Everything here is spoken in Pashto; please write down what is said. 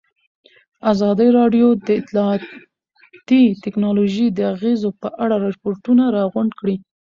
ازادي راډیو د اطلاعاتی تکنالوژي د اغېزو په اړه ریپوټونه راغونډ کړي.